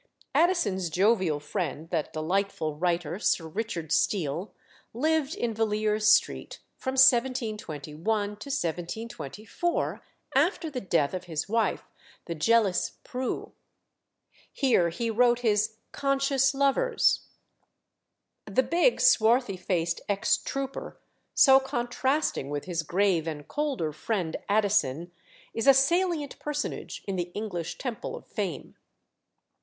Addison's jovial friend, that delightful writer, Sir Richard Steele, lived in Villiers Street from 1721 to 1724, after the death of his wife, the jealous "Prue." Here he wrote his Conscious Lovers. The big, swarthy faced ex trooper, so contrasting with his grave and colder friend Addison, is a salient personage in the English Temple of Fame.